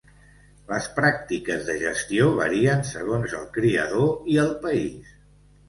Les pràctiques de gestió varien segons el criador i el país.